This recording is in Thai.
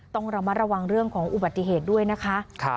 ต้องระมัดระวังเรื่องของอุบัติเหตุด้วยนะคะ